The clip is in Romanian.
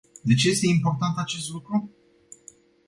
De ce este important acest lucru?